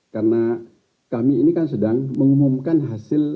karena kami ini kan sedang mengumumkan hasil